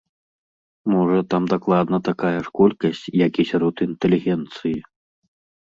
Можа, там дакладна такая ж колькасць, як і сярод інтэлігенцыі.